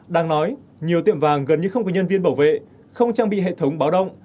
đang nói nhiều tiệm vàng gần như không có nhân viên bảo vệ không trang bị hệ thống báo động